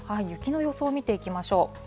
雪の予想見ていきましょう。